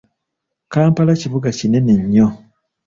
Kampala kibuga kinene nnyo.